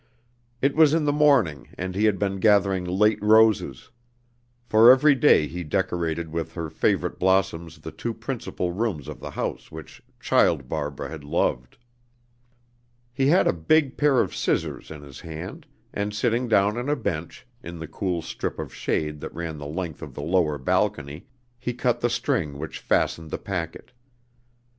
It was in the morning, and he had been gathering late roses; for every day he decorated with her favorite blossoms the two principal rooms of the house which child Barbara had loved. He had a big pair of scissors in his hand; and sitting down on a bench, in the cool strip of shade that ran the length of the lower balcony, he cut the string which fastened the packet.